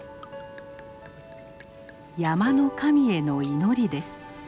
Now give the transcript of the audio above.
山の神への祈りです。